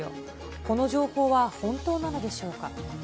この情報は本当なのでしょうか。